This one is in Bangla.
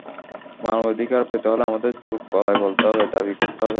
মানবিক অধিকার পেতে হলে আমাদের জোর গলায় বলতে হবে, দাবি করতে হবে।